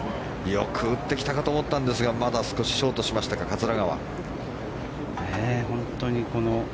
よく打ってきたかと思ったんですがまだ少しショートしましたか桂川。